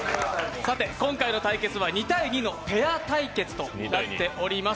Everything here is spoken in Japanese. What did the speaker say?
さて今回の対決は２−２のペア対決となっております。